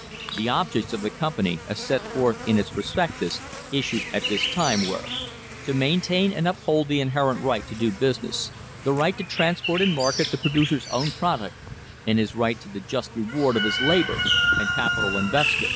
The objects of the company, as set forth in its prospectus issued at this time, were: To maintain and uphold the inherent right to do business, the right to transport and market the producer's own product, and his right to the just reward of his labour and capital invested.